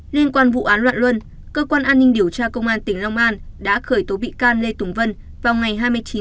liên quan vụ án loạn luân cơ quan an ninh điều tra công an tỉnh long an đã khởi tố bị can lê tùng vân vào ngày hai mươi chín tháng năm